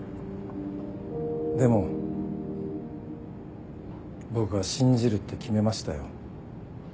でも僕は信じるって決めましたよ。